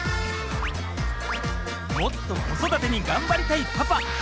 もっと子育てに頑張りたいパパ。